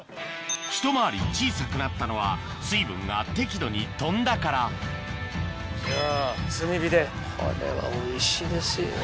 ひと回り小さくなったのは水分が適度に飛んだからじゃあ炭火でこれはおいしいですよ。